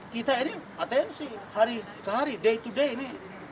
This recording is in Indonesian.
kita ini atensi hari ke hari day to day ini